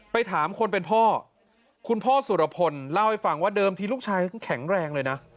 ถามคนเป็นพ่อคุณพ่อสุรพลเล่าให้ฟังว่าเดิมทีลูกชายแข็งแรงเลยนะ